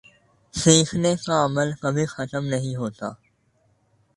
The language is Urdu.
سیکھنے کا عمل کبھی ختم نہیں ہوتا